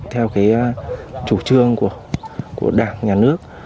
theo cái chủ trương của đảng nhà nước